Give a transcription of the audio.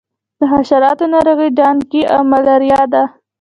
د حشراتو ناروغۍ ډینګي او ملیریا دي.